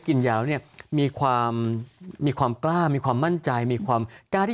ยาวเนี่ยมีความมีความกล้ามีความมั่นใจมีความกล้าที่